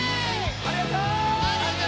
ありがとう！